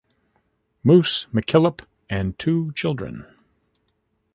"Moose" McKillop and two children.